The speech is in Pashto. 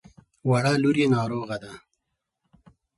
وړه لور يې ناروغه ده.